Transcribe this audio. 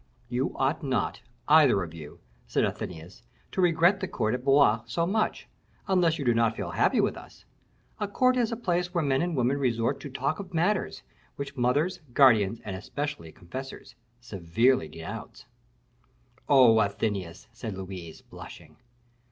"You ought not, either of you," said Athenais, "to regret the court at Blois so much, unless you do not feel happy with us. A court is a place where men and women resort to talk of matters which mothers, guardians, and especially confessors, severely denounce." "Oh, Athenais!" said Louise, blushing.